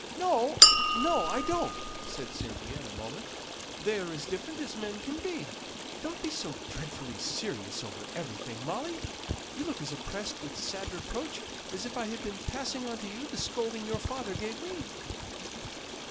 "No, no, I don't!" said Cynthia in a moment. "They are as different as men can be. Don't be so dreadfully serious over everything, Molly. You look as oppressed with sad reproach, as if I had been passing on to you the scolding your father gave me."